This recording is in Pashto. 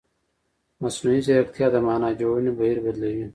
مصنوعي ځیرکتیا د معنا جوړونې بهیر بدلوي.